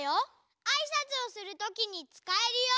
あいさつをするときにつかえるよ！